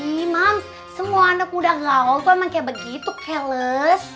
eh ma semua anak muda gaul tuh emang kayak begitu kayles